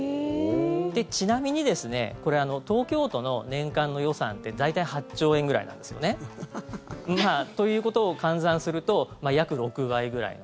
ちなみに東京都の年間の予算って大体８兆円ぐらいなんですよね。ということを換算すると約６倍ぐらいの。